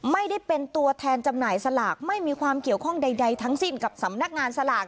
ไม่ได้เป็นตัวแทนจำหน่ายสลากไม่มีความเกี่ยวข้องใดทั้งสิ้นกับสำนักงานสลาก